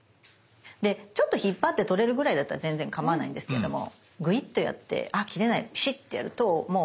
でちょっと引っ張って取れるぐらいだったら全然構わないんですけれどもグイッとやってあ切れないピシッてやるともう。